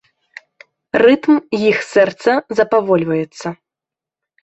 Рытм іх сэрца запавольваецца.